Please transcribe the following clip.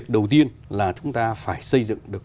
đầu tiên là chúng ta phải xây dựng được